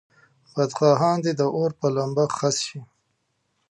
بدخواهان دې د اور په لمبه خس شي.